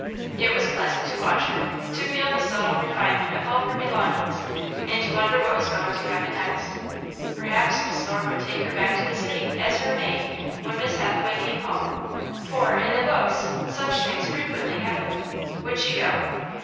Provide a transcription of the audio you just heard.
It wis pleasant to watch her, to feel the subtle refinement of all her belongings, and to wonder what was going to happen next. Perhaps Miss Thorne would take her back to the city, as her maid, when Miss Hathaway came home, for, in the books, such things frequently happened. Would she go?